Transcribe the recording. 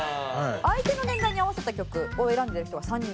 相手の年代に合わせた曲を選んでいる人は３人います。